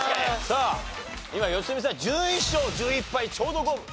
さあ今良純さん１１勝１１敗ちょうど五分。